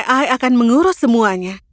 ai akan mengurus semuanya